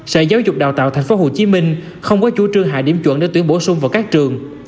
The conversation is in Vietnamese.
sở giáo dục đào tạo tp hcm không có chủ trương hạ điểm chuẩn để tuyển bổ sung vào các trường